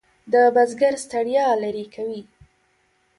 د بزګر ستړیا لرې کوي.